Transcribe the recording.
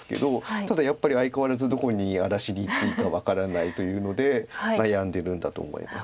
ただやっぱり相変わらずどこに荒らしにいっていいか分からないというので悩んでるんだと思います。